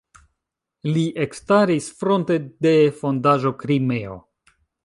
Li ekstaris fronte de Fondaĵo "Krimeo".